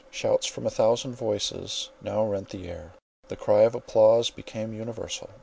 Shouts from a thousand voices now rent the air—the cry of applause became universal.